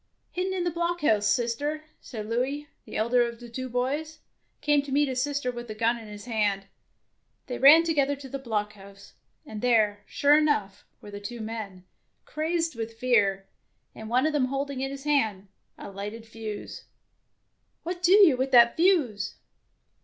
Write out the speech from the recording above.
" Hidden in the blockhouse, sister "; and Louis, the elder of the two boys, came to meet his sister with a gun in his hand. They ran together to the blockhouse, and there, sure enough, were the two men, crazed with fear, and one of them holding in his hand a lighted fuse. " What do you with that fuse